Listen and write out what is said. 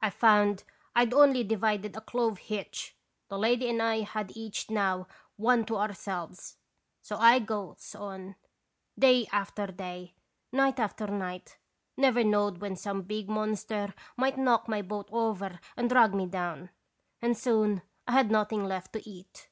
I found I'd only divided a clove hitch, the lady and I had each now one to ourselves. So I goes on, day after day, night after night, never knowed when some big monster might knock my boat over and drag me down, and soon I had nothing left to eat.